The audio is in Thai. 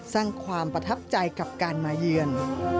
สร้างความประทับใจกับการมาเยือน